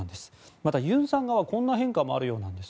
またユンさん側はこんな変化もあるようなんです。